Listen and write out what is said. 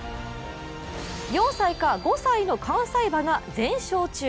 ４歳か５歳の関西馬が全勝中。